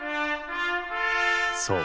そう。